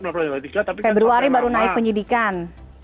februari baru naik penyidikan